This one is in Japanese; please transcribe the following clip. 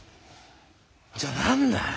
じゃ何だよ！